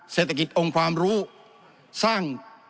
เศรษฐกิจองค์ความรู้สร้าง